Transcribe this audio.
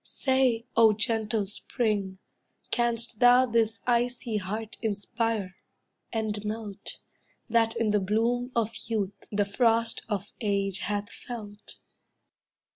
Say, O gentle Spring, Canst thou this icy heart inspire, and melt, That in the bloom of youth, the frost of age hath felt?